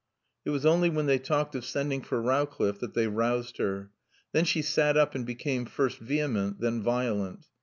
It was only when they talked of sending for Rowcliffe that they roused her. Then she sat up and became, first vehement, then violent.